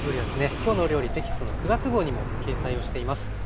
「きょうの料理」テキストの９月号にも掲載をしています。